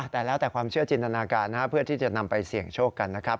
แต่แล้วแต่ความเชื่อจินตนาการนะครับเพื่อที่จะนำไปเสี่ยงโชคกันนะครับ